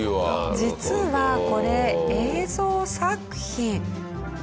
実はこれ映像作品。